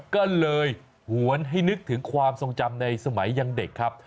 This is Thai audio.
ก็เลยหวนให้นึกถึงความทรงจำในสมัยยังเด็กครับ